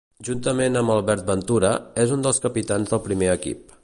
Juntament amb Albert Ventura, és un dels capitans del primer equip.